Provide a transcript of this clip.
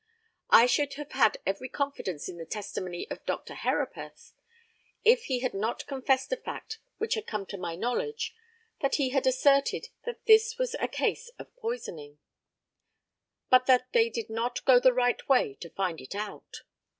I should have had every confidence in the testimony of Mr. Herapath if he had not confessed a fact which had come to my knowledge, that he had asserted that this was a case of poisoning, but that they did not go the right way to find it out.